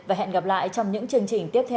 và hẹn gặp lại trong những chương trình tiếp theo